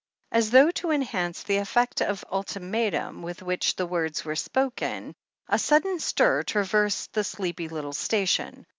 As though to enhance the effect of ultimatum with which the words were spoken, a sudden stir traversed the sleepy little station.